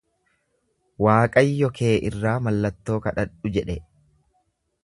Waaqayyo kee irraa mallattoo kadhadhu jedhe.